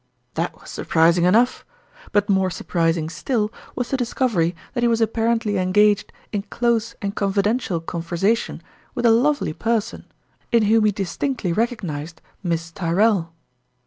That was surprising enough ; but more sur prising still was the discovery that he was ap parently engaged in close and confidential con versation with a lovely person in whom he distinctly recognized Miss Tyrrell.